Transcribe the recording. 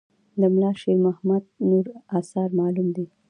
د ملا شیر محمد نور آثار معلوم دي.